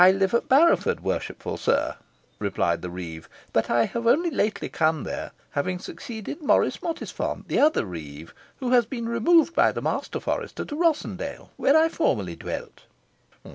"I live at Barrowford, worshipful sir," replied the reeve, "but I have only lately come there, having succeeded Maurice Mottisfont, the other reeve, who has been removed by the master forester to Rossendale, where I formerly dwelt."